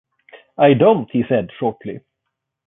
"I don't," he said shortly.